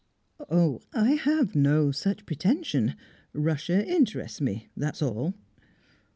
"I have no such pretension. Russia interests me, that's all."